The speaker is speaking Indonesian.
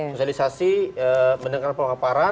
sosialisasi mendengarkan pengaparan